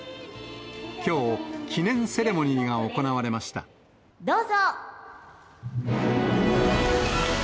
きょう、記念セレモニーが行われどうぞ。